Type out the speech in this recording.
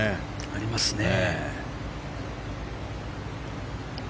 ありますね。